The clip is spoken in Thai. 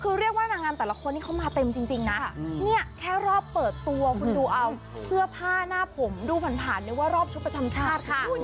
คือเรียกว่านางงามแต่ละคนที่เขามาเต็มจริงนะเนี่ยแค่รอบเปิดตัวคุณดูเอาเสื้อผ้าหน้าผมดูผ่านนึกว่ารอบชุดประจำชาติค่ะ